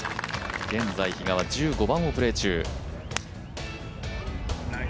現在、比嘉は１５番をプレー中。